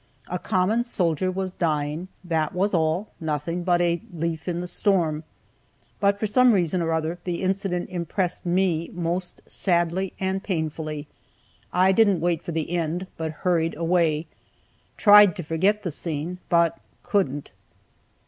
A common soldier was dying, that was all, nothing but "a leaf in the storm." But for some reason or other the incident impressed me most sadly and painfully. I didn't wait for the end, but hurried away, tried to forget the scene, but couldn't.